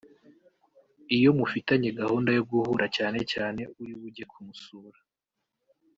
Iyo mufitanye gahunda yo guhura cyane cyane uri bujye kumusura